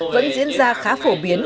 vẫn diễn ra khá phổ biến